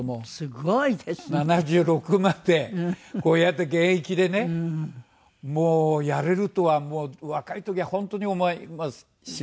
７６までこうやって現役でねやれるとは若い時は本当に思いもしませんでした。